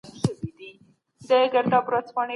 د څېړنې بیلابیلې طریقې سته.